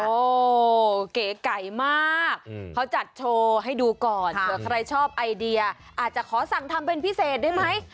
เก๋ไก่มากเขาจัดโชว์ให้ดูก่อนเผื่อใครชอบไอเดียอาจจะขอสั่งทำเป็นพิเศษได้ไหม